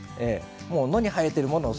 野に生えているもの